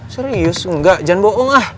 serius enggak jangan bohong ah